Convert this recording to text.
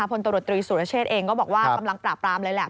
พลตรวจตรีสุรเชษเองก็บอกว่ากำลังปราบปรามเลยแหละ